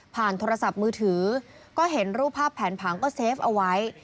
โทรศัพท์มือถือก็เห็นรูปภาพแผนผังก็เซฟเอาไว้